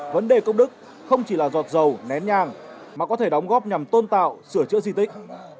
vấn đề công đức không chỉ là giọt dầu nén nhang mà có thể đóng góp nhằm tôn tạo sửa chữa di tích